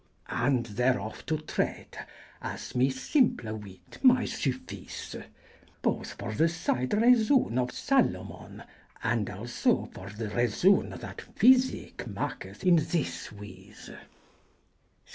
And thereof to treate as my symple wytte may suffyce: both for the said reason of Salomon and also for the reason that phisyk makyth in this wyse.